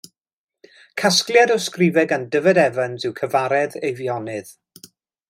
Casgliad o ysgrifau gan Dyfed Evans yw Cyfaredd Eifionydd.